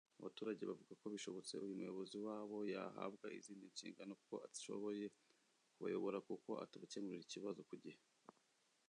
Abaturage bavuga ko bishobotse uyu muyobozi wabo yahabwa izindi nshingano kuko adshoboye kubayobora kuko atabakemurira ikibazo ku gihe